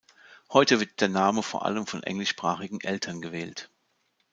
Heute wird der Name vor allem von englischsprachigen Eltern gewählt.